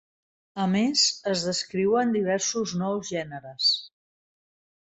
A més, es descriuen diversos nous gèneres.